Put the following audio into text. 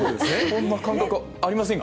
そんな感覚、ありませんか？